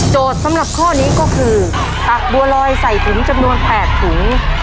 สำหรับข้อนี้ก็คือตักบัวลอยใส่ถุงจำนวน๘ถุง